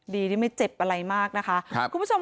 ดีที่ไม่เจ็บอะไรมากนะคะ